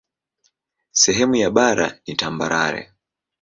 Sehemu ya bara ni tambarare.